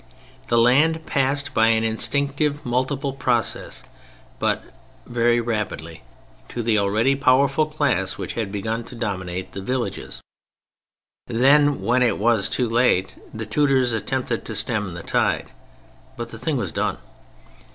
_The land passed by an instinctive multiple process—but very rapidly—to the already powerful class which had begun to dominate the villages_. Then, when it was too late, the Tudors attempted to stem the tide. But the thing was done.